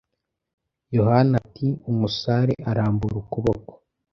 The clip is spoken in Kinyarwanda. “Yohana!” ati umusare, arambura ukuboko.